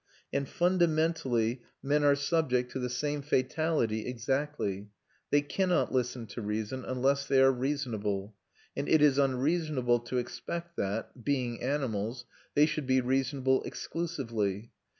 And fundamentally men are subject to the same fatality exactly; they cannot listen to reason unless they are reasonable; and it is unreasonable to expect that, being animals, they should be reasonable exclusively.